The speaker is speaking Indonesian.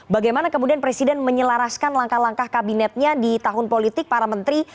bagaimana kemudian presiden menyelaraskan langkah langkah kabinetnya di tahun politik para menteri